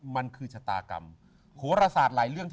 มันคือชะตากรรม